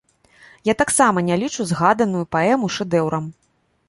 Я таксама не лічу згаданую паэму шэдэўрам.